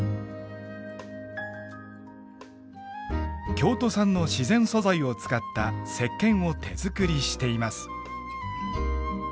京都産の自然素材を使ったせっけんを手作りしています。